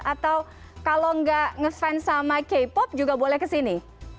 atau kalau nggak ngefans sama k pop juga boleh kesini